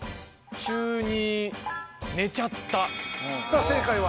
さぁ正解は。